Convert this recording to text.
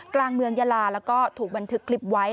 กลางเมืองยาลาแล้วก็ถูกบันทึกคลิปไว้